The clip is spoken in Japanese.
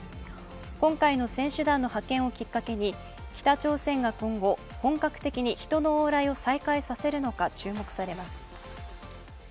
今回の選手団の派遣をきっかけに北朝鮮が今後、本格的に人の往来を再開させるのか注目されます。